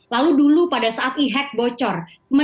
lalu dulu pada saat ihek bocor